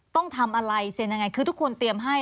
ต้องทำอะไรเซ็นยังไงคือทุกคนเตรียมให้